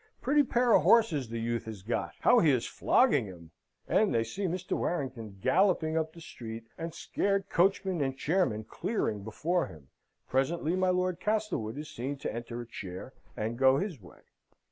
"Pretty pair of horses the youth has got. How he is flogging 'em!" And they see Mr. Warrington galloping up the street, and scared coachmen and chairmen clearing before him: presently my Lord Castlewood is seen to enter a chair, and go his way.